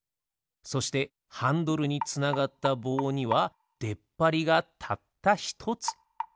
そしてハンドルにつながったぼうにはでっぱりがたったひとつ。